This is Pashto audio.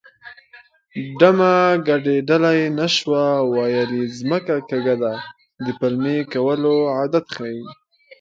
ډمه ګډېدلی نه شوه ویل یې ځمکه کږه ده د پلمې کولو عادت ښيي